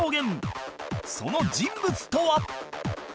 その人物とは